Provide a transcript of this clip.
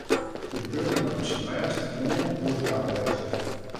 De begrutting moat op syn lêst moarn goedkard wêze.